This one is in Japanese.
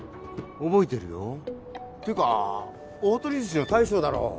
覚えてるよていうか「大酉寿司」の大将だろう